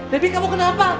debbie kamu kenapa